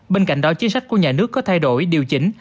bên cạnh đó chính sách của nhà nước có thay đổi điều chỉnh